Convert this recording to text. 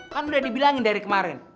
kan udah dibilangin dari kemarin